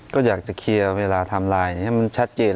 ก็อยากจะเคลียร์เวลาทำร้ายอย่างนี้มันชัดเจน